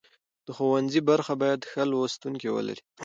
د ښوونځي برخه باید ښه لوستونکي ولري.